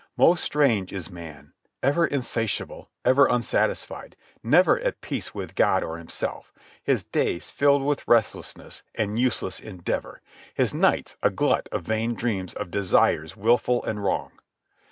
Most strange is man, ever insatiable, ever unsatisfied, never at peace with God or himself, his days filled with restlessness and useless endeavour, his nights a glut of vain dreams of desires wilful and wrong.